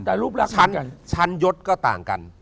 แต่รูปรักษณ์ชั้นยดก็ต่างกัน